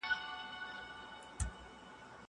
زه اوږده وخت سبا ته فکر کوم!